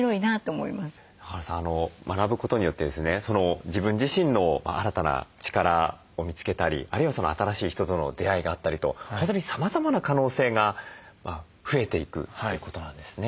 中原さん学ぶことによってですね自分自身の新たな力を見つけたりあるいは新しい人との出会いがあったりと本当にさまざまな可能性が増えていくってことなんですね。